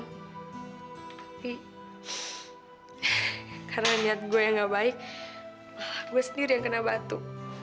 tapi karena niat gue yang gak baik gue sendiri yang kena batu